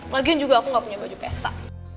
lagian juga aku nggak punya baju pesta